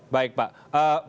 baik pak jekat